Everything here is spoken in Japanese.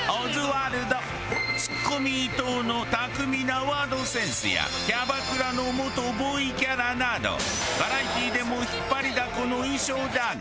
ツッコミ伊藤の巧みなワードセンスやキャバクラの元ボーイキャラなどバラエティでも引っ張りだこの印象だが。